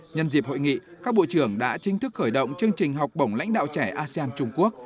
nhân dịp hội nghị các bộ trưởng đã chính thức khởi động chương trình học bổng lãnh đạo trẻ asean trung quốc